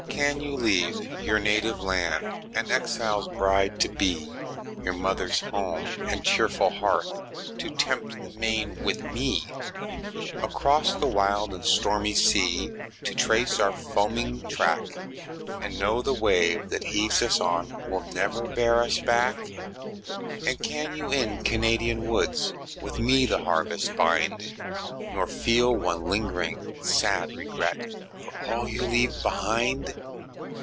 can you leave your native land An exile's bride to be; Your mother's home, and cheerful hearth, To tempt the main with me; Across the wide and stormy sea To trace our foaming track, And know the wave that heaves us on Will never bear us back? And can you in Canadian woods With me the harvest bind, Nor feel one lingering, sad regret For all you leave behind?